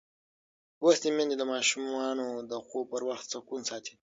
لوستې میندې د ماشومانو د خوب پر وخت سکون ساتي.